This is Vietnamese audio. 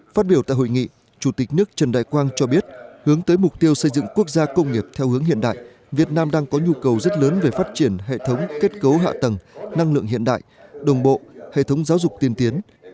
phát biểu tại hội nghị chủ tịch nước trần đại quang cho biết hướng tới mục tiêu xây dựng quốc gia công nghiệp theo hướng hiện đại việt nam đang có nhu cầu rất lớn về phát triển hệ thống kết cấu hạ tầng năng lượng hiện đại đồng bộ hệ thống giáo dục tiên tiến